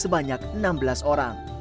sebanyak enam belas orang